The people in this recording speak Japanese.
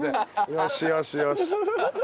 「よしよしよし」。